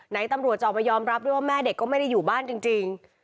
ตำรวจจะออกมายอมรับด้วยว่าแม่เด็กก็ไม่ได้อยู่บ้านจริง